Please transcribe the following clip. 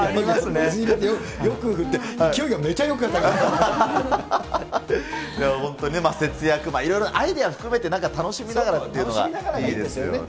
水入れて勢いよく振って、本当にね、節約、いろいろアイデア含めて、楽しみながらっていうのがいいですよね。